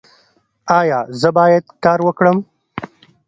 ایا زه باید کار وکړم؟